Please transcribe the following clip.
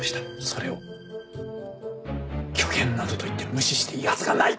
それを虚言などといって無視していいはずがない！